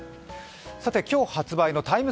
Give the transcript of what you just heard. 今日発売のＴＩＭＥ